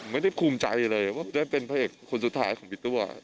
ไม่ได้คุ้มใจเลยว่าได้เป็นพระเอกคนสุดท้ายของพี่ตัว